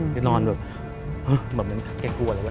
แกนอนแบบนั้นแกกลัวอะไรวะ